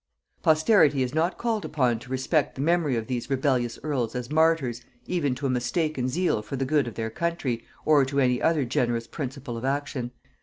Posterity is not called upon to respect the memory of these rebellious earls as martyrs even to a mistaken zeal for the good of their country, or to any other generous principle of action.